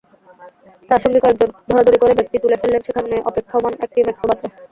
তাঁর সঙ্গী কয়েকজন ধরাধরি করে ব্যাগটি তুলে ফেললেন সেখানে অপেক্ষমাণ একটি মাইক্রোবাসে।